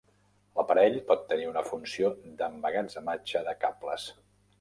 L'aparell pot tenir una funció d'emmagatzematge de cables.